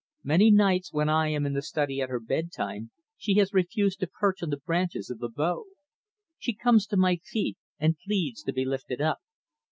Many nights when I am in the study at her bedtime, she has refused to perch on the branches of the bough. She comes to my feet and pleads to be lifted up.